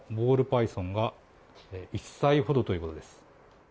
パイソンは１歳ほどということです。